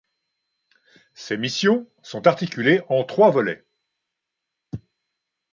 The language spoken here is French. Ses missions sont articulées en trois volets.